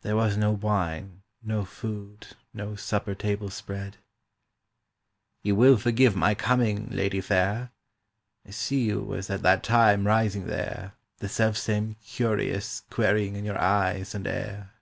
(There was no wine, no food, no supper table spread.) "You will forgive my coming, Lady fair? I see you as at that time Rising there, The self same curious querying in your eyes and air.